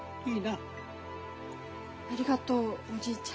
ありがとうおじいちゃん。